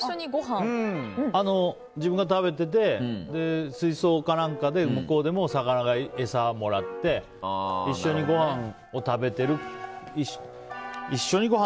自分が食べてて、水槽か何かで向こうでも魚が餌をもらって一緒にごはんを食べてる。